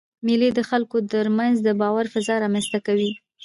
مېلې د خلکو تر منځ د باور فضا رامنځ ته کوي.